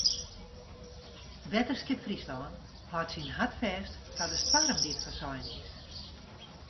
Wetterskip Fryslân hâldt syn hart fêst foar de stoarm dy't foarsein is.